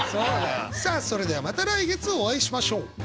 それではまた来月お会いしましょう。